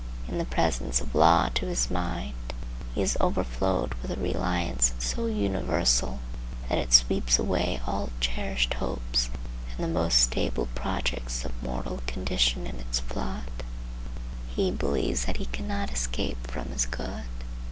In the presence of law to his mind he is overflowed with a reliance so universal that it sweeps away all cherished hopes and the most stable projects of mortal condition in its flood. He believes that he cannot escape from his good.